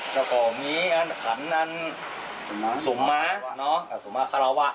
แล้วก็มีขันสุมมะสุมมะคาราวะ